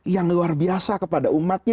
yang luar biasa kepada umatnya